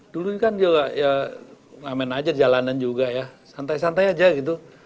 dulu kan juga ya ngamen aja jalanan juga ya santai santai aja gitu